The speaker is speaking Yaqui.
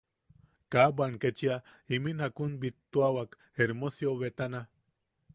Ka bwan ketchia imin jakun bittuawak Hermosio betana.